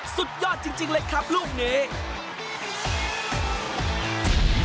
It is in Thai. สุดยอดจริงเลยครับลูกนี้